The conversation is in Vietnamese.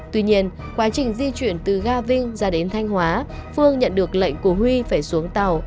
tuy nhiên quá trình di chuyển từ ga vinh ra đến thanh hóa phương nhận được lệnh của huy phải xuống tàu